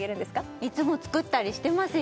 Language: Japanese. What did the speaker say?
いつも作ったりしてますよ